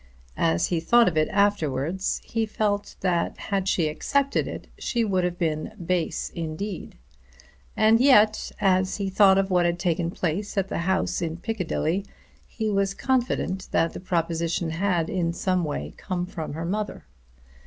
As he thought of it afterwards he felt that had she accepted it she would have been base indeed. And yet, as he thought of what had taken place at the house in Piccadilly, he was confident that the proposition had in some way come from her mother.